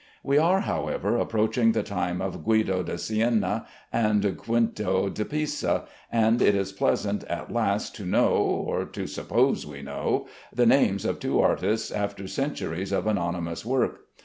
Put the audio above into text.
We are, however, approaching the time of Guido da Siena and Guinto da Pisa, and it is pleasant at last to know (or to suppose we know) the names of two artists after centuries of anonymous work.